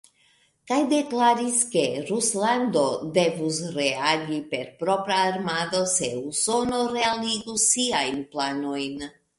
Kaj deklaris, ke Ruslando devus reagi per propra armado, se Usono realigus siajn planojn.